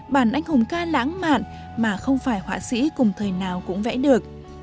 bản anh hùng ca lãng mạn mà không phải họa sĩ cùng thời nào cũng vẽ được